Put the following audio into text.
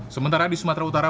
sementara di sumatera utara